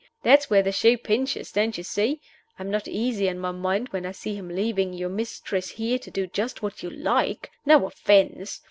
That's where the shoe pinches, don't you see? I'm not easy in my mind when I see him leaving you mistress here to do just what you like. No offense!